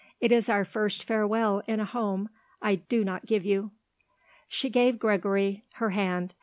It is our first farewell in a home I do not give you." She gave Gregory her hand.